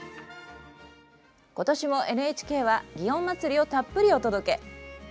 今年もＮＨＫは祇園祭をたっぷりお届け。